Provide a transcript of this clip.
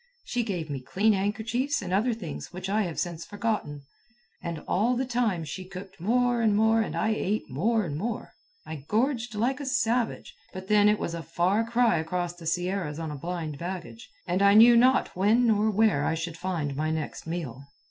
She gave me clean handkerchiefs and other things which I have since forgotten. And all the time she cooked more and more and I ate more and more. I gorged like a savage; but then it was a far cry across the Sierras on a blind baggage, and I knew not when nor where I should find my next meal.